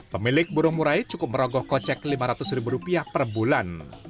pemilik burung murai cukup merogoh kocek rp lima ratus per bulan